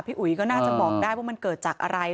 อุ๋ยก็น่าจะบอกได้ว่ามันเกิดจากอะไร